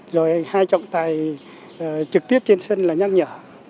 rồi hai trọng tài trực tiếp trên sân là nhắc nhở